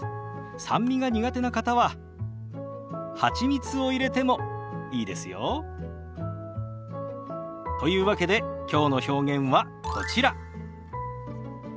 酸味が苦手な方ははちみつを入れてもいいですよ。というわけできょうの表現はこちら。